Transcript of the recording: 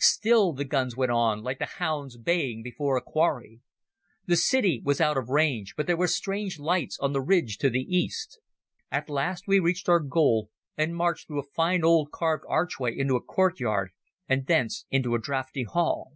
Still the guns went on, like hounds baying before a quarry. The city was out of range, but there were strange lights on the ridge to the east. At last we reached our goal and marched through a fine old carved archway into a courtyard, and thence into a draughty hall.